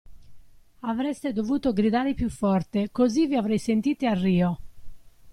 Avreste dovuto gridare più forte, così vi avrei sentite a Rio.